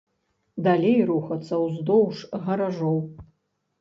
Далей рухацца ўздоўж гаражоў.